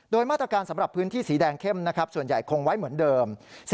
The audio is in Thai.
โดยมาตรการสำหรับพื้นที่สีแดงเข้มนะครับส่วนใหญ่คงไว้เหมือนเดิม